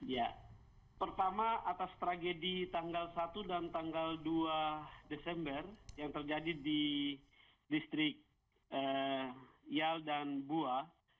ya pertama atas tragedi tanggal satu dan tanggal dua desember yang terjadi di distrik yal dan bua